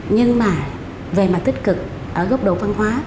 nhưng mà về mặt tích cực ở góc độ văn hóa